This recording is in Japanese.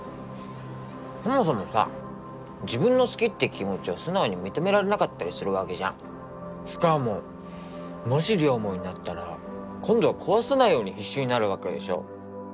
そもそもさ自分の好きって気持ちを素直に認められなかったりするわけじゃんしかももし両思いになったら今度は壊さないように必死になるわけでしょ？